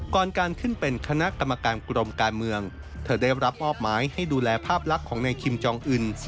ก่อนการขึ้นเป็นคณะกรรมการกรมการเมืองเธอได้รับมอบหมายให้ดูแลภาพลักษณ์ของนายคิมจองอื่น